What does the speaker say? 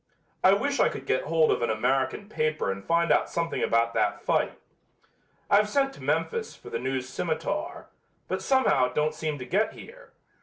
I wish I could get hold of an American paper and find out something about that fight. I've sent to Memphis for The News Scimitar, but somehow it don't seem to get here.